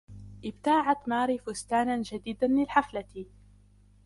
ابتاعت ماري فستانًا جديدًا للحفلة.